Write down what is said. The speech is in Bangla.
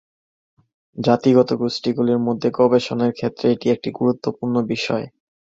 জাতিগত গোষ্ঠীগুলির মধ্যে গবেষণার ক্ষেত্রে এটি একটি গুরুত্বপূর্ণ বিষয়।